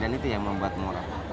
dan itu yang membuat murah